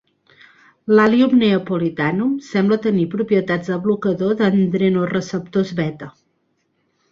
L'"Allium neapolitanum" sembla tenir propietats de blocador d'adrenoreceptors beta.